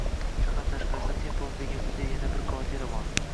Shahar tashqarisida Templin degan uyda yana bir kvartira bor